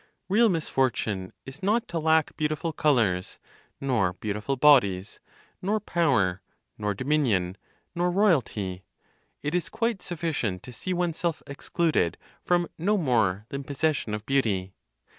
Real misfortune is not to lack beautiful colors, nor beautiful bodies, nor power, nor domination, nor royalty. It is quite sufficient to see oneself excluded from no more than possession of beauty.